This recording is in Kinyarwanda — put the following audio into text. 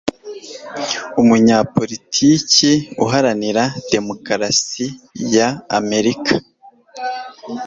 umunyapolitiki uharanira demokarasi ya amerika